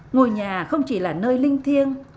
ngôi nhà không chỉ là nơi linh thiêng